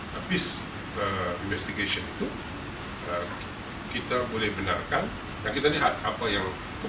dan baru kita membenarkan hak hak deteni itu diselaraskan